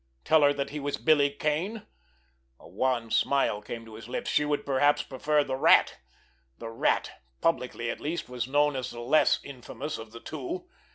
Tell her that he was Billy Kane? A wan smile came to his lips. She would perhaps prefer the Rat! The Rat, publicly at least, was known as the less infamous of the two!